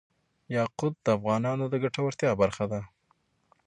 یاقوت د افغانانو د ګټورتیا برخه ده.